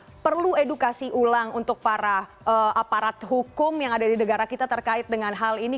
apakah perlu edukasi ulang untuk para aparat hukum yang ada di negara kita terkait dengan hal ini